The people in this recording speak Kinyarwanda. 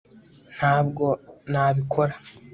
ntabwo nabikora